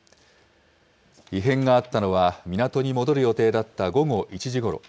異変があったのは、港に戻る予定だった午後１時ごろ。